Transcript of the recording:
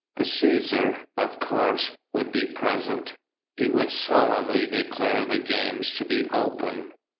The Cæsar, of course, would be present. He would solemnly declare the games to be open.